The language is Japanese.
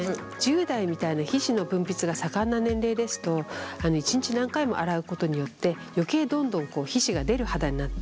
１０代みたいな皮脂の分泌が盛んな年齢ですと一日何回も洗うことによって余計どんどん皮脂が出る肌になって。